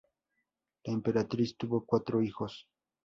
La Emperatriz tuvo cuatro hijos.